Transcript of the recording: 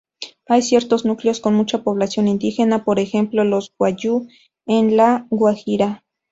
Hay ciertos núcleos con mucha población indígena, por ejemplo los wayúu en la Guajira.